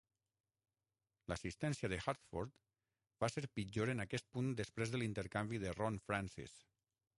L'assistència de Hartford va ser pitjor en aquest punt després de l'intercanvi de Ron Francis.